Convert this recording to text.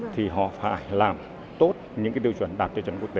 thì họ phải làm tốt những tiêu chuẩn đạt tiêu chuẩn quốc tế